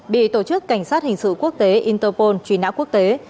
bị tổ chức cảnh sát hình sự quốc tế interpol truy nã quốc tế